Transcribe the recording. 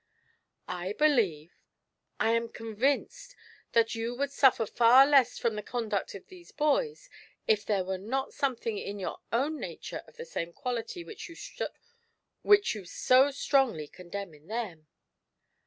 " I believe — I am convinced that you would sufier far less from the conduct of these boys if there were not something in your own nature of the same quality which you so strongly condemn in them."